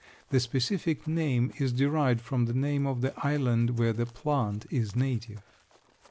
The specific name is derived from the name of the island where the plant is native.